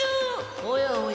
おやおや